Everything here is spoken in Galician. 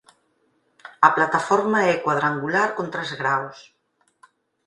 A plataforma é cuadrangular con tres graos.